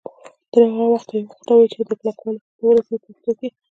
تر هغه وخته یې وخوټوئ چې د کلکوالي حد ته ورسیږي په پښتو کې.